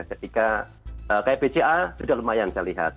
ketika kayak bca sudah lumayan saya lihat